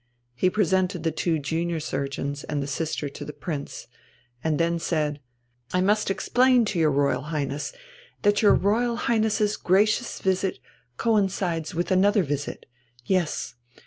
He presented the two junior surgeons and the sister to the Prince, and then said: "I must explain to your Royal Highness that your Royal Highness's gracious visit coincides with another visit. Yes.